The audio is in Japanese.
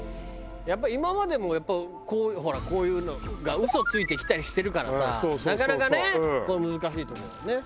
今までもやっぱりこうほらこういうのが嘘ついてきたりしてるからさなかなかね難しいとこだよね。